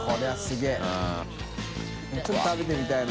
ちょっと食べてみたいな。